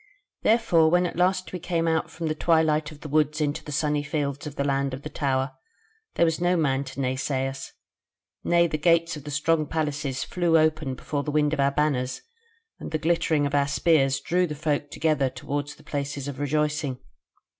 "Therefore when at last we came out from the twilight of the woods into the sunny fields of the Land of the Tower, there was no man to naysay us; nay, the gates of the strong places flew open before the wind of our banners, and the glittering of our spears drew the folk together toward the places of rejoicing.